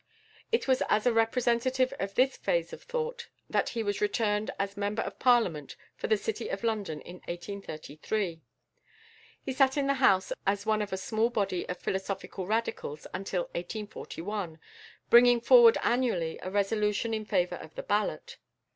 It was as a representative of this phase of thought that he was returned as member of Parliament for the city of London in 1833. He sat in the House as one of a small body of philosophical Radicals until 1841, bringing forward annually a resolution in favour of the ballot.